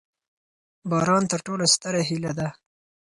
باران تر ټولو ستره هیله ده.